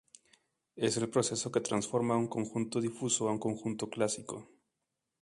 Es el proceso que transforma un conjunto difuso a un conjunto clásico.